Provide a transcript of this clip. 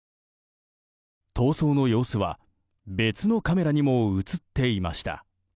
逃走の様子は別のカメラにも映っていました。